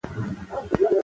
د قانون درناوی وکړئ.